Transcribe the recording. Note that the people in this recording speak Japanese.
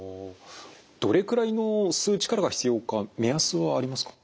どれくらいの吸う力が必要か目安はありますか？